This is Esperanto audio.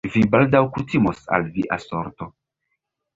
Vi baldaŭ kutimos al via sorto...